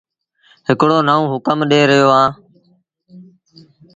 هڪڙو نئونٚ هُڪم ڏي رهيو اهآنٚ